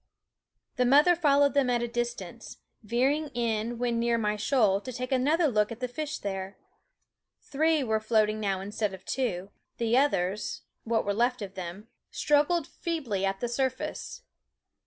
The mother followed them at a distance, veering in when near my shoal to take another look at the fish there. Three were floating now instead of two; the others what were left of them struggled feebly at hool For ~fl School for the surface.